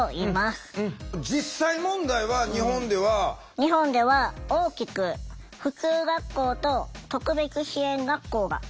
日本では大きく普通学校と特別支援学校があります。